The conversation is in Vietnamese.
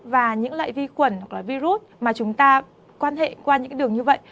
và những loại vi khuẩn hoặc là virus mà chúng ta quan hệ qua những đường như vậy